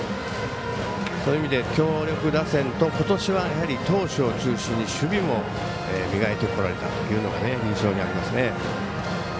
そういう意味で強力打線とことしは、やはり投手を中心に守備も磨いてこられたというのが印象にありますね。